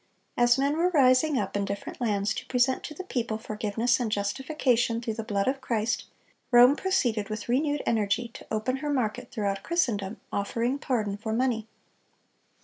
As men were rising up in different lands to present to the people forgiveness and justification through the blood of Christ, Rome proceeded with renewed energy to open her market throughout Christendom, offering pardon for money.